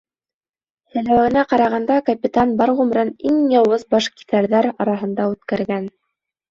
Һөйләүенә ҡарағанда, капитан бар ғүмерен иң яуыз башкиҫәрҙәр араһында үткәргән.